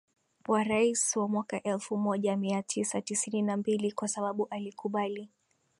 wa rais wa mwaka elfu moja mia tisa tisini na mbili kwa sababu alikubali